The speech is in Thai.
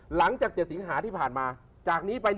หลังจากเจริญฐานหาที่ผ่านมาจากนี้ไป๑ปี